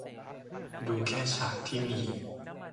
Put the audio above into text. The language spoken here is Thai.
ดูแค่ฉากที่มี